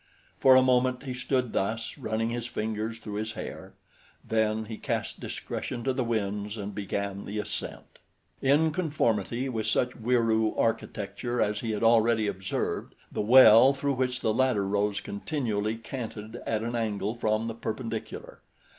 For a moment he stood thus, running his fingers through his hair; then he cast discretion to the winds and began the ascent. In conformity with such Wieroo architecture as he had already observed, the well through which the ladder rose continually canted at an angle from the perpendicular.